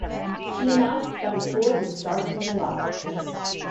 She announced that the tour would start in July.